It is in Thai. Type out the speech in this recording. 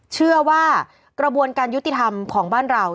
เชื่อว่ากระบวนการยุติธรรมของบ้านเรา